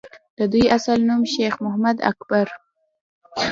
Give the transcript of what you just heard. دَدوي اصل نوم شېخ محمد اکبر